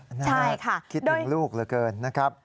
ใช่ค่ะคิดถึงลูกเหลือเกินนะครับ